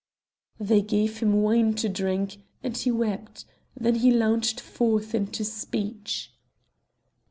They gave him wine to drink, and he wept; then he launched forth into speech.